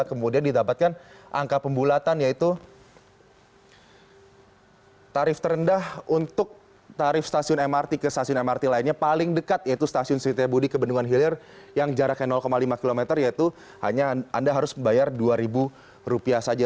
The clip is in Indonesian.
kemudian didapatkan angka pembulatan yaitu tarif terendah untuk tarif stasiun mrt ke stasiun mrt lainnya paling dekat yaitu stasiun setiabudi ke bendungan hilir yang jaraknya lima km yaitu hanya anda harus membayar dua ribu rupiah saja